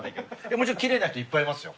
もちろん奇麗な人いっぱいいますよ。